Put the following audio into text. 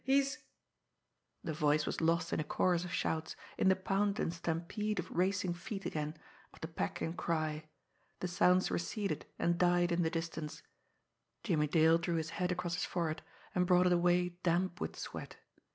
He's " The voice was lost in a chorus of shouts, in the pound and stampede of racing feet again, of the pack in cry. The sounds receded and died in the distance. Jimmie Dale drew his hand across his forehead and brought it away damp with sweat.